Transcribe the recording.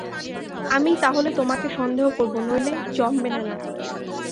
আমিই তা হলে তোমাকে সন্দেহ করব, নইলে জমবে না নাটক।